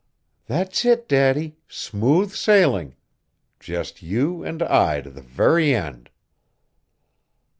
"That's it, Daddy, smooth sailing. Just you and I to the very end!"